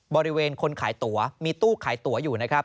บริเวณคนขายตัวมีตู้ขายตั๋วอยู่นะครับ